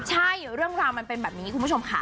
ใช่เรื่องราวมันเป็นแบบนี้คุณผู้ชมค่ะ